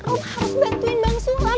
lu harus bantuin bang sulam